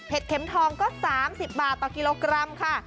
เข็มทองก็๓๐บาทต่อกิโลกรัมค่ะ